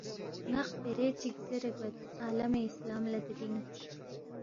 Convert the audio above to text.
نا خپرے چک زیرے گوید عالم اسلام لا دیرینگ